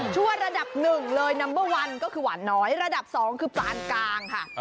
ระดับหนึ่งเลยนัมเบอร์วันก็คือหวานน้อยระดับ๒คือปลานกลางค่ะ